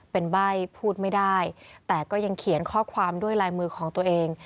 เป็นใบ้พูดไม่ได้แต่ก็ยังเขียนข้อความด้วยลายมือของตัวเอง